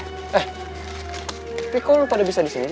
tapi kok lo pada bisa disini